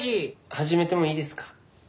始めてもいいですか？